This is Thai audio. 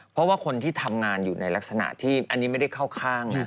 เพราะว่าคนที่ทำงานอยู่ในลักษณะที่อันนี้ไม่ได้เข้าข้างนะ